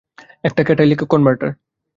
একটা catalytic converter.